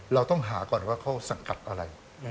เราต้องหาก่อนว่าเขาสังกัดอะไร